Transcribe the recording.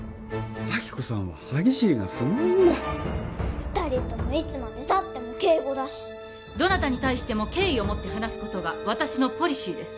亜希子さんは歯ぎしりがすごいんだ二人ともいつまでたっても敬語だしどなたに対しても敬意を持って話すことが私のポリシーです